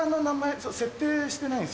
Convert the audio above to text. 設定してない？